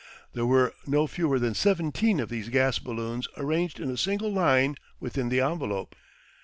There were no fewer than seventeen of these gas balloons arranged in a single line within the envelope.